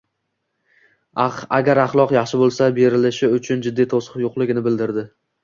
agar axloqi yaxshi bo'lsa, berilishi uchun jiddiy to'siq yo'qligini bildirdi.